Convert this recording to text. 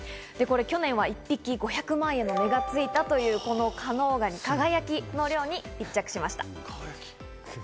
去年は１匹５００万円の値がついたというこの加能ガニ「輝」の漁に密着しました。